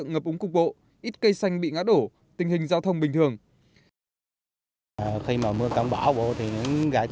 gặp ứng cục bộ ít cây xanh bị ngã đổ tình hình giao thông bình thường